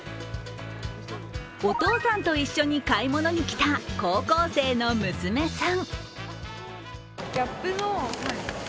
お父さんと一緒に買い物に来た高校生の娘さん。